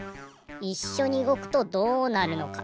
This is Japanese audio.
いっしょにうごくとどうなるのか。